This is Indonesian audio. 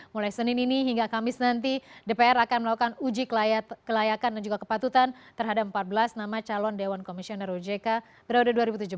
mulai senin ini hingga kamis nanti dpr akan melakukan uji kelayakan dan juga kepatutan terhadap empat belas nama calon dewan komisioner ojk periode dua ribu tujuh belas dua ribu dua puluh